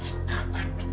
lihat ada apa ini